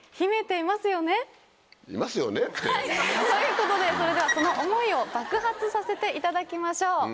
ということでそれではその想いを爆発させていただきましょう。